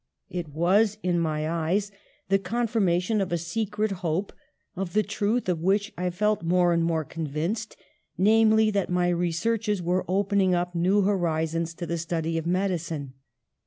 It was, in my eyes, the con THE SPIRIT OF PATRIOTISM 103 firmation of a secret hope, of the truth of which I felt more and more convinced, namely, that my re searches were opening up new horizons to the study of medicine.